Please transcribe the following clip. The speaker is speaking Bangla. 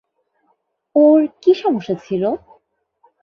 ওর কী সমস্যা ছিল?